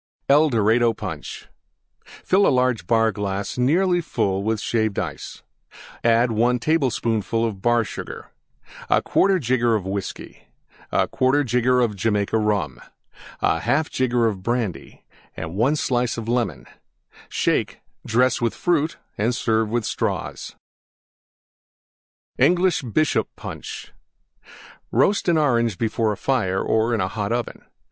EL DORADO PUNCH Fill large Bar glass nearly full Shaved Ice. 1 tablespoonful Bar Sugar. 1/4 jigger Whiskey. 1/4 jigger Jamaica Rum. 1/2 jigger Brandy. 1 slice Lemon. Shake; dress with Fruit and serve with Straws. ENGLISH BISHOP PUNCH Roast an Orange before a fire or in a hot oven.